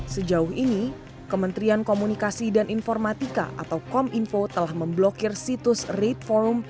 sejauh ini kementerian komunikasi dan informatika atau kominfo telah memblokir situs rate forum